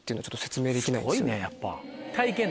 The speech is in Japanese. すごいねやっぱ。